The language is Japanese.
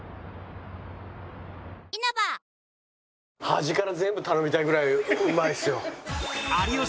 端から全部頼みたいぐらいうまいっすよ。